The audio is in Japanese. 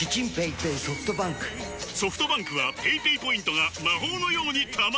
ソフトバンクはペイペイポイントが魔法のように貯まる！